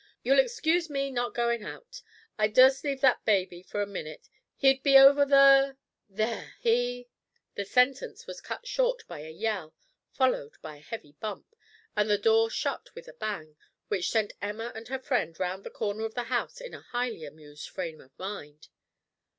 "You'll excuse me not goin' hout. I dursn't leave that baby for a minute. He'd be over the there he " The sentence was cut short by a yell, followed by a heavy bump, and the door shut with a bang, which sent Emma and her friend round the corner of the house in a highly amused frame of mind.